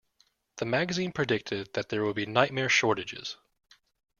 The magazine predicted that there would be nightmare shortages.